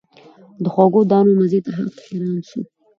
د خوږو دانو مزې ته هک حیران سو